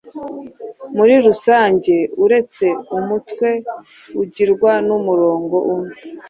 Muri rusange, uretse umutwe ugirwa n’umurongo umwe